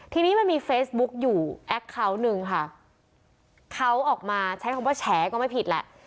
ทีนี้มันมีเฟซบุ๊กอยู่แอคเคาน์หนึ่งค่ะเขาออกมาใช้คำว่าแฉก็ไม่ผิดแหละ